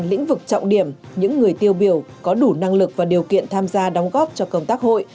lĩnh vực trọng điểm những người tiêu biểu có đủ năng lực và điều kiện tham gia đóng góp cho công tác hội